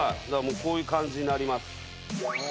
こういう感じになります。